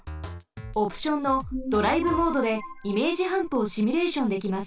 オプションのドライブモードでイメージハンプをシミュレーションできます。